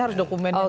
harus dokumennya dulu